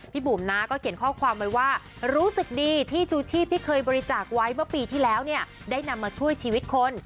บุ๋มนะก็เขียนข้อความไว้ว่ารู้สึกดีที่ชูชีพที่เคยบริจาคไว้เมื่อปีที่แล้วเนี่ยได้นำมาช่วยชีวิตคน